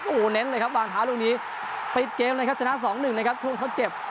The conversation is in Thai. โอ้โหเน้นเลยครับวางเท้าลูกนี้ปิดเกมนะครับชนะ๒๑นะครับช่วงทดเจ็บ